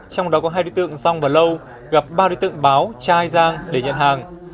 trong đó có hai đối tượng zong và lâu gặp ba đối tượng báo chai giang để nhận hàng